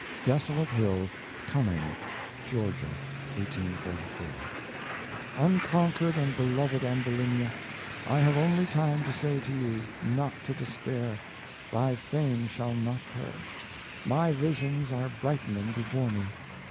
Desolate Hill, Cumming, Geo., 1844. Unconquered and Beloved Ambulinia I have only time to say to you, not to despair; thy fame shall not perish; my visions are brightening before me.